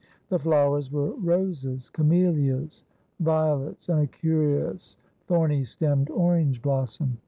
The flowers were roses, camellias, violets, and a curious thorny stemmed orange blossom.